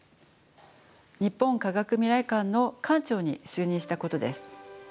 日本科学未来館の館長に就任したことです。